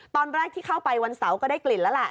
ตอนแรกที่เข้าไปวันเสาร์ก็ได้กลิ่นแล้วแหละ